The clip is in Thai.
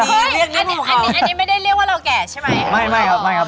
อันนี้ไม่ได้เรียกว่าเราแก่ใช่ไหม